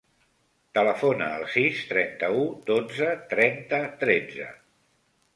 Telefona al sis, trenta-u, dotze, trenta, tretze.